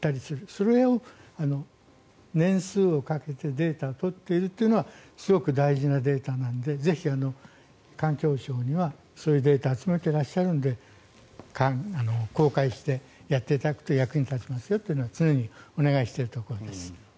それを年数をかけてデータを取ってるというのはすごく大事なデータなので環境省にはそういうデータを集めていらっしゃるので公開してやっていただくと役に立ちますよというのを常にお願いしているところです。